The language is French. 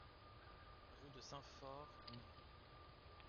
Rue de Saint-Fort, Morre